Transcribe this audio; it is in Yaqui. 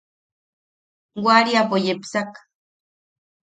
Waariapo yepsak.